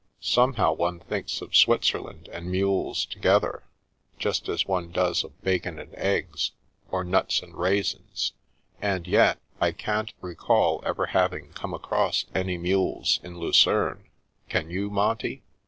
Somehow one thinks of Switzerland and mules together, just as one does of bacon and eggs, or nuts and raisins, and yet, I can't recall ever having come across any mules in Lucerne, can you, Monty